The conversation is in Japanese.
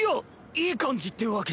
いい感じってわけじゃ。